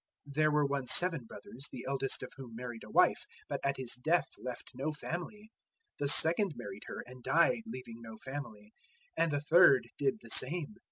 012:020 There were once seven brothers, the eldest of whom married a wife, but at his death left no family. 012:021 The second married her, and died, leaving no family; and the third did the same.